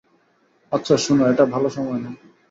আচ্ছা, শোনো এটা ভালো সময় না।